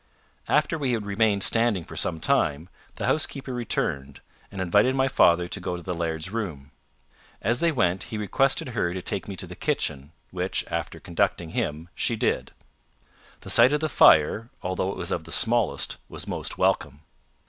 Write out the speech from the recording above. After we had remained standing for some time, the housekeeper returned, and invited my father to go to the laird's room. As they went, he requested her to take me to the kitchen, which, after conducting him, she did. The sight of the fire, although it was of the smallest, was most welcome.